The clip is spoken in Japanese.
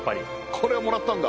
これをもらったんだ。